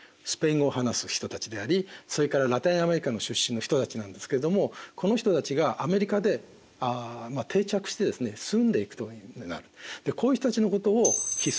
スペイン語を話す人たちでありそれからラテンアメリカの出身の人たちなんですけれどもこの人たちがアメリカで定着してですね住んでいくということになる。